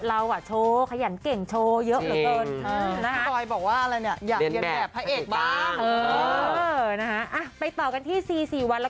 เราโชว์ขยันเก่งโชว์เยอะเหลือเกิน